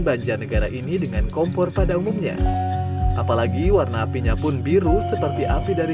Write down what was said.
banjar negara ini dengan kompor pada umumnya apalagi warna apinya pun biru seperti api dari